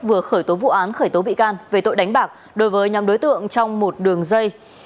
vừa khởi tố vụ án khởi tố bị can về tội đánh bạc đối với nhóm đối tượng trong một đường dây